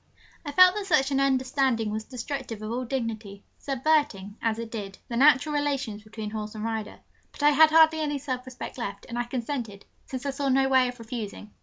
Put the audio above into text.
I felt that such an understanding was destructive of all dignity, subverting, as it did, the natural relations between horse and rider; but I had hardly any self respect left, and I consented, since I saw no way of refusing.